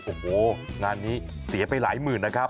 โอ้โหงานนี้เสียไปหลายหมื่นนะครับ